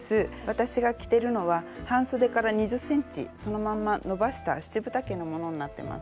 私が着てるのは半そでから２０ｃｍそのまんまのばした七分丈のものになってます。